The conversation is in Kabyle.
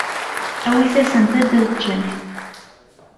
Awit-asent-d ad ččen.